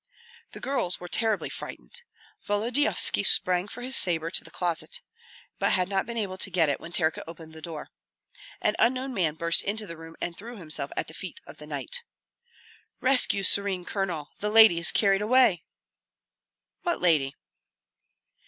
The girls were terribly frightened. Volodyovski sprang for his sabre to the closet, but had not been able to get it when Terka opened the door. An unknown man burst into the room and threw himself at the feet of the knight. "Rescue, serene Colonel! The lady is carried away!" "What lady?"